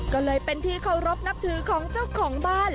ก็เลยเป็นที่เคารพนับถือของเจ้าของบ้าน